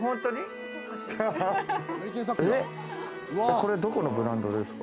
これどこのブランドですか？